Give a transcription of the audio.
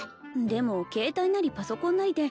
でも携帯なりパソコンなりで